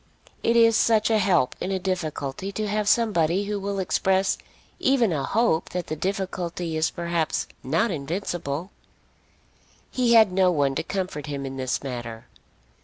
It is such a help in a difficulty to have somebody who will express even a hope that the difficulty is perhaps not invincible! He had no one to comfort him in this matter.